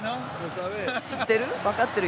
知ってる？